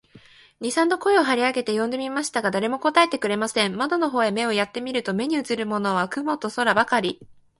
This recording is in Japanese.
二三度声を張り上げて呼んでみましたが、誰も答えてくれません。窓の方へ目をやって見ると、目にうつるものは雲と空ばかり、